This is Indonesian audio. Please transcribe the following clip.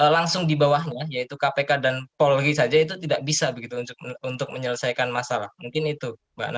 langsung di bawahnya yaitu kpk dan polri saja itu tidak bisa begitu untuk menyelesaikan masalah mungkin itu